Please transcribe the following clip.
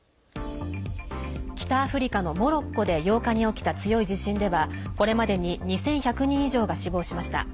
北アフリカのモロッコで８日に起きた強い地震ではこれまでに２１００人以上が死亡しました。